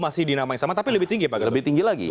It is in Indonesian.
masih dinamai sama tapi lebih tinggi pak lebih tinggi lagi